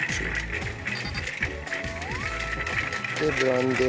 でブランデー。